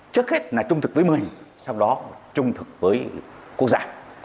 trước hết là trung thực với mình sau đó trung thực với quốc gia